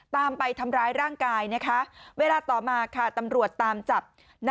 ตามไปทำร้ายร่างกายนะคะเวลาต่อมาค่ะตำรวจตามจับ